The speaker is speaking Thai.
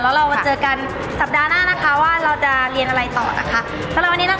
แล้วเราเจอกันสัปดาห์หน้านะคะว่าเราจะเรียนอะไรต่อนะคะ